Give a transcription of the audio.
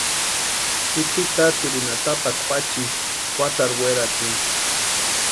Juchi taatirini atapakwa juachisti juatarhu weratini.